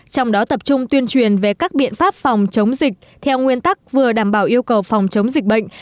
trong đó tập trung tuyên truyền về các biện pháp phòng chống dịch theo nguyên tắc vừa đảm bảo yêu cầu phòng chống dịch bệnh